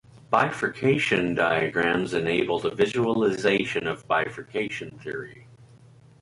Bifurcation diagrams enable the visualization of bifurcation theory.